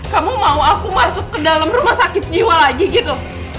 kamu mau aku masuk ke dalam rumah sakit jiwa lagi gitu